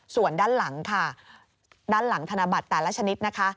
ส่วนด้านหลังค่ะด้านหลังธนบัตรแต่ละชนิดนะคะ